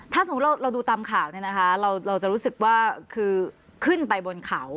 ถ้าสมมุติเราดูตามข่าวเนี่ยนะคะเราจะรู้สึกว่าคือขึ้นไปบนเขา